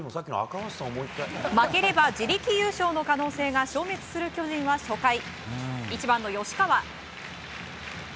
負ければ自力優勝の可能性が消滅する巨人は初回、１番の吉川。